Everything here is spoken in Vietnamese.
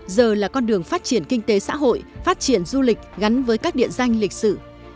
giờ là con đường phát triển kinh tế xã hội phát triển du lịch gắn với các địa danh lịch sử